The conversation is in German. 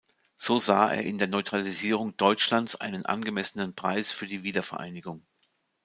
So sah er in der Neutralisierung Deutschlands einen angemessenen Preis für die Wiedervereinigung.